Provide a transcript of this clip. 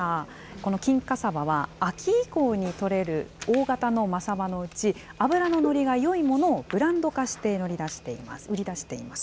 この金華さばは、秋以降に取れる大型のマサバのうち、脂の乗りがよいものをブランド化して売り出しています。